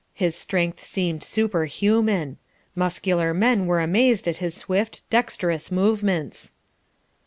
His strength seemed superhuman. Muscular men were amazed at his swift, dexterous movements.